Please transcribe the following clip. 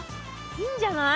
いいんじゃない？